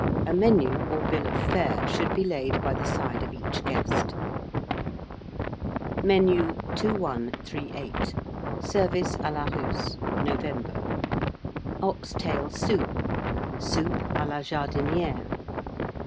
A menu or bill of fare should be laid by the side of each guest. MENU. 2138. SERVICE A LA RUSSE (November). Ox tail Soup. Soup à la Jardinière.